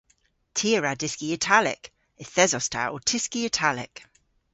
Ty a wra dyski Italek. Yth esos ta ow tyski Italek.